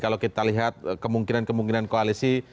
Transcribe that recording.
kalau kita lihat kemungkinan kemungkinan koalisi